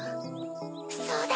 そうだ！